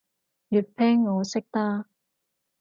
粵拼我識得